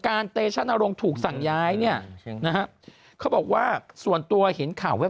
การเตชะนะลงถูกสั่งย้ายเนี่ยเขาบอกว่าส่วนตัวเห็นข่าว